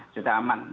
sudah aman untuk untuk